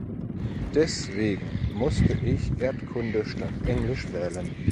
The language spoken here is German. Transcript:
Deswegen musste ich Erdkunde statt Englisch wählen.